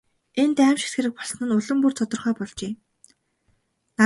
Энд аймшигт хэрэг болсон нь улам бүр тодорхой болжээ.